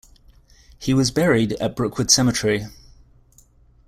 He was buried at Brookwood Cemetery.